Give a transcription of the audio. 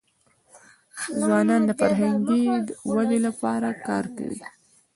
ځوانان د فرهنګ د ودي لپاره کار کوي.